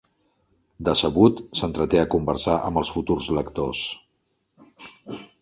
Decebut, s'entreté a conversar amb els futurs lectors.